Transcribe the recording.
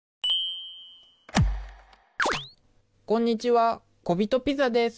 こんにちは小人ピザです。